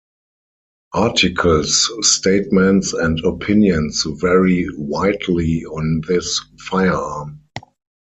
Articles, statements, and opinions vary widely on this firearm.